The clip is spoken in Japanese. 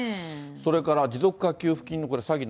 それから持続化給付金の詐欺